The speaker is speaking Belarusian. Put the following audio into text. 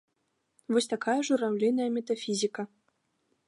Вось такая жураўліная метафізіка.